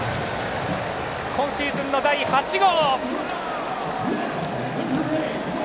今シーズンの第８号！